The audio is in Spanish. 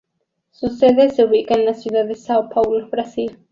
Su sede se ubica en la ciudad de São Paulo, Brasil.